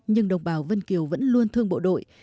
nhưng đồng bào vân kiều vẫn luôn thương bộ đội